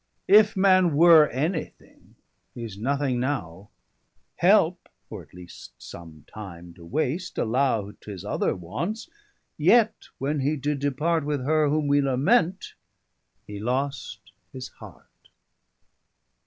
170 If man were any thing, he's nothing now: Helpe, or at least some time to wast, allow T'his other wants, yet when he did depart With her whom we lament, hee lost his heart.